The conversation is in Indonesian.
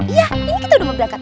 iya ini kita udah memberangkatkan